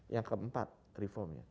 yang keempat reformnya